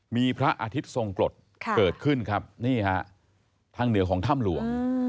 มีพระอาทิตย์ทรงกรดเกิดขึ้นครับนี่ฮะทางเหนือของถ้ำหลวง